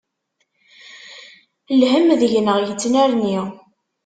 Lhem deg-neɣ yettnerni.